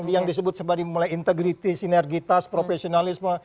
yang disebut sebagai integritas sinergitas profesionalisme